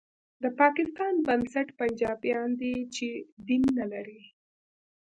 د پاکستان بنسټ پنجابیان دي چې دین نه لري